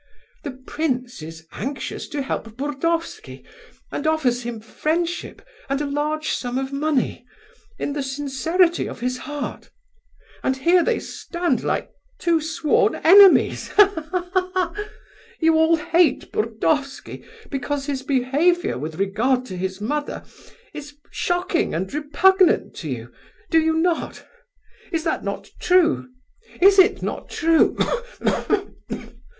The prince is anxious to help Burdovsky and offers him friendship and a large sum of money, in the sincerity of his heart. And here they stand like two sworn enemies—ha, ha, ha! You all hate Burdovsky because his behaviour with regard to his mother is shocking and repugnant to you; do you not? Is not that true? Is it not true?